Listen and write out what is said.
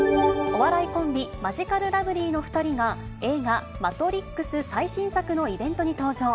お笑いコンビ、マヂカルラブリーの２人が、映画、マトリックス最新作のイベントに登場。